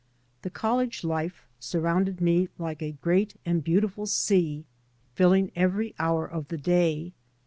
The college life surrounded me like a great and beautiful sea, filling every hour of the day.